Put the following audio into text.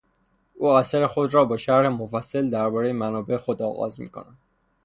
او اثر خود را با شرح مفصلی دربارهی منابع خود آغاز میکند.